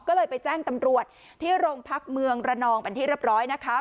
ก็เลยไปแจ้งตำรวจที่โรงพักเมืองระนองเป็นที่เรียบร้อยนะคะ